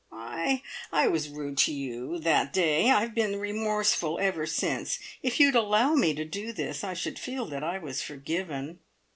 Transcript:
I I was rude to you that day! I've been remorseful ever since. If you'd allow me to do this, I should feel that I was forgiven."